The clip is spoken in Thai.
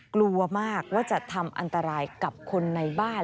กลัวมากว่าจะทำอันตรายกับคนในบ้าน